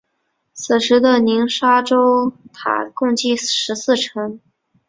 此时的鸣沙洲塔共计十四层。